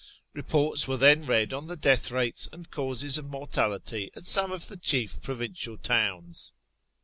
lieports were then read on the death rates and causes of mortality at some of the chief provincial towns.